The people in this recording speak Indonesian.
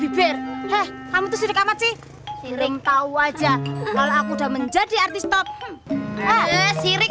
bibir kamu tuh sudah kamar sihiring tahu aja kalau aku udah menjadi artis top sirik